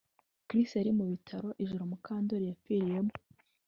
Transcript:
Trix yari mu bitaro ijoro Mukandoli yapfiriyemo